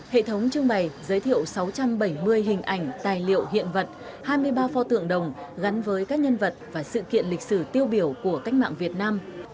hệ thống trưng bày giới thiệu sáu trăm bảy mươi hình ảnh tài liệu hiện vật hai mươi ba pho tượng đồng gắn với các nhân vật và sự kiện lịch sử tiêu biểu của cách mạng việt nam